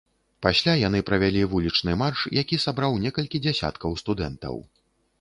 Пасля яны правялі вулічны марш, які сабраў некалькі дзясяткаў студэнтаў.